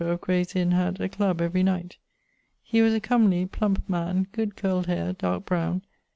of Grayes Inne, had a clubb every night. He was a comely plump man, good curled haire, darke browne.